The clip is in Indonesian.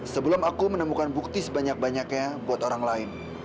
sebelum aku menemukan bukti sebanyak banyaknya buat orang lain